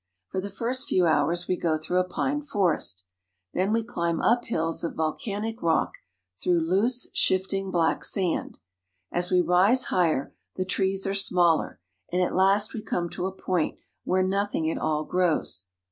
For the first few hours we go through a pine forest. Then we climb up hills of volcanic rock, through loose, Popocatepetl. shifting, black sand. As we rise higher, the trees are smaller, and at last we come to a point where nothing at all grows.